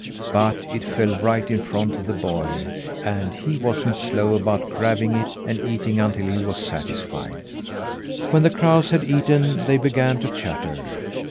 But it fell right in front of the boy, and he wasn't slow about grabbing it and eating until he was satisfied. When the crows had eaten, they began to chatter.